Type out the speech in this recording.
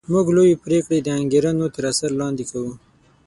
موږ لویې پرېکړې د انګېرنو تر اثر لاندې کوو